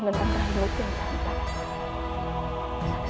tentang raimu kian santang